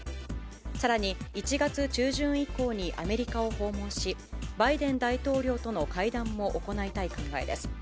さらに１月中旬以降にアメリカを訪問し、バイデン大統領との会談も行いたい考えです。